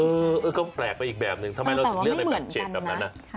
เออก็แปลกไปอีกแบบหนึ่งทำไมเราถึงเลือกได้แบบเฉดแบบนั้นนะ